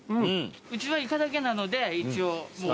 うちはイカだけなので一応もう。